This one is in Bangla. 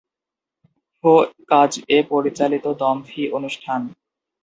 ফো কাজ এ পরিচালিত দম ফী অনুষ্ঠান।